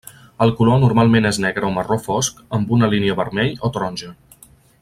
El color normalment és negre o marró fosc amb una línia vermell o taronja.